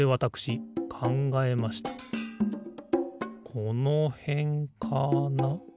このへんかな？